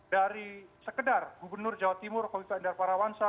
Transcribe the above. dari sekedar gubernur jawa timur kewika endar parawansa